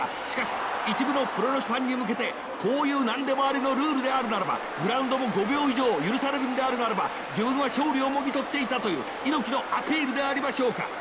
しかし一部のプロレスファンに向けてこういう何でもありのルールであるならばグラウンドも５秒以上許されるんであるならば自分は勝利をもぎ取っていたという猪木のアピールでありましょうか。